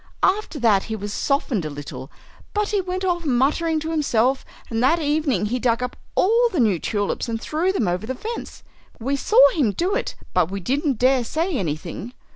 After that he was softened a little, but he went off muttering to himself, and that evening he dug up all the new tulips and threw them over the fence. We saw him do it, but we didn't dare say anything."